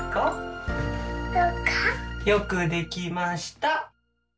よくできました。